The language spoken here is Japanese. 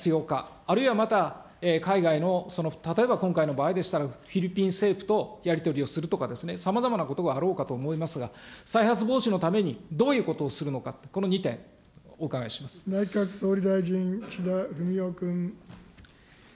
法整備が必要か、あるいはまた、海外のその例えば、今回の場合でしたら、フィリピン政府とやり取りをするとか、さまざまなことがあろうかと思いますが、再発防止のためにどういうことをするのか内閣総理大臣、岸田文雄君。